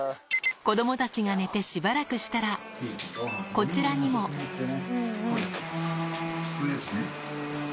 子供たちが寝てしばらくしたらこちらにもこういうやつね。